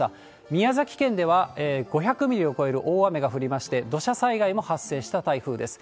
宮崎県では、５００ミリを超える大雨が降りまして、土砂災害も発生した台風です。